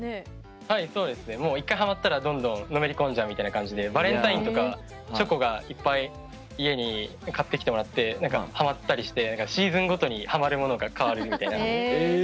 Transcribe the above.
はいそうですね。一回ハマったらどんどんのめりこんじゃうみたいな感じでバレンタインとかチョコがいっぱい家に買ってきてもらってハマったりしてシーズンごとにハマるものが変わるみたいな感じになってます。